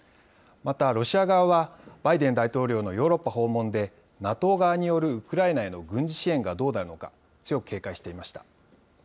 またロシア側は、バイデン大統領のヨーロッパ訪問で、ＮＡＴＯ側によるウクライナへの軍事支援がどうなるのか、強く警戒していました。